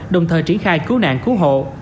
đồng thời triển khai cứu nạn cứu hộ